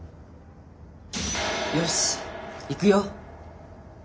よしいくよ。